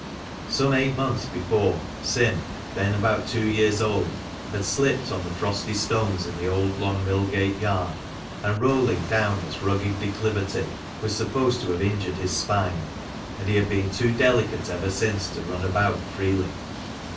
Some eight months before, Sim (then about two years old) had slipped on the frosty stones in the old Long Millgate Yard, and, rolling down its rugged declivity, was supposed to have injured his spine, and he had been too delicate ever since to run about freely.